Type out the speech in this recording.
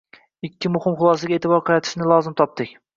ikki muhim xulosaga eʼtibor qaratishni lozim topdik.